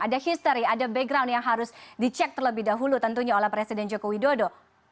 ada history ada background yang harus dicek terlebih dahulu tentunya oleh presiden joko widodo